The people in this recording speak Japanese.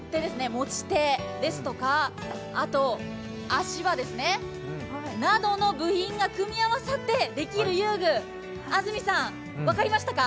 持ち手ですとか、足とか部品が組み合わさってできあがる遊具、安住さん分かりましたか？